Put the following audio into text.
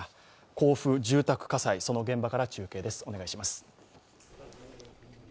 甲府、住宅火災、その現場から中継です。